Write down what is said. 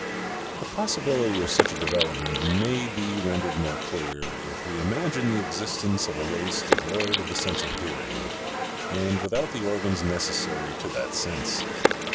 The possibility of such a development may be rendered more clear if we imagine the existence of a race devoid of the sense of hearing, and without the organs necessary to that sense.